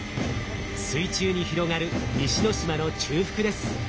水中に広がる西之島の中腹です。